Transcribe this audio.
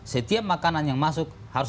setiap makanan yang masuk harus